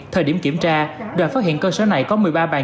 thời điểm kiểm tra đoàn phát hiện cơ sở này có một mươi ba bàn